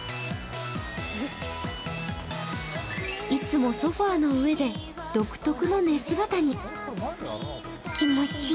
いつもソファーの上で独特の寝姿に。